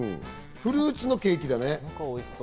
フルーツのケーキだね。